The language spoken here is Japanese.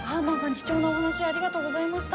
貴重なお話ありがとうございました。